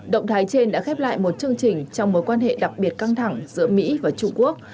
động thái trên đã khép lại một chương trình trong mối quan hệ đặc biệt căng thẳng giữa mỹ và trung quốc